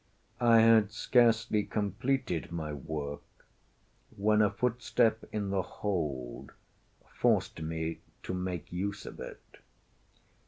I had scarcely completed my work, when a footstep in the hold forced me to make use of it.